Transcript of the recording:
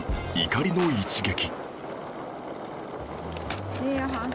怒りの一撃